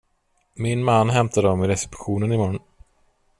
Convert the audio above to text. Min man hämtar dem i receptionen i morgon.